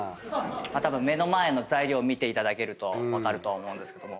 たぶん目の前の材料見ていただけると分かるとは思うんですけども。